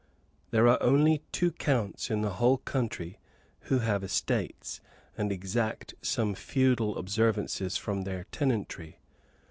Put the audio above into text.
There are only two counts in the whole country who have estates, and exact some feudal observances from their tenantry.